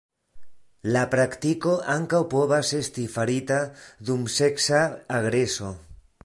La praktiko ankaŭ povas esti farita dum seksa agreso.